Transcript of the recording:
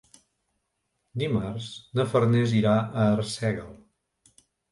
Dimarts na Farners irà a Arsèguel.